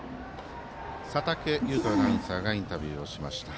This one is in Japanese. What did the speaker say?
佐竹祐人アナウンサーがインタビューをしました。